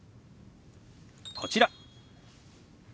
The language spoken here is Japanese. こちら。